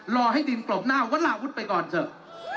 รอให้ดินกลบหน้าวลาวุฒิไปก่อนเถอะ